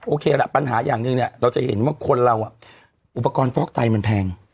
โอเคละปัญหาอย่างหนึ่งเนี่ยเราจะเห็นว่าคนเราอุปกรณ์ฟอกไตมันแพง